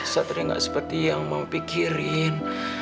satria nggak seperti yang mau pikirin